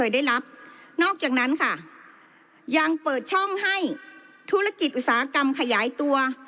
ได้รับนอกจากนั้นค่ะยังเปิดช่องให้ธุรกิจอุตสาหกรรมขยายตัว